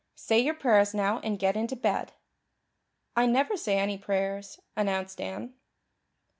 Say your prayers now and get into bed." "I never say any prayers," announced Anne.